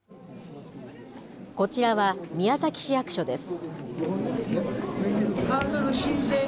こちらは宮崎市役所です。